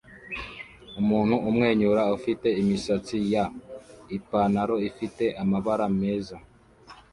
Umuntu umwenyura ufite imisatsi ya Ipanaro ifite amabara meza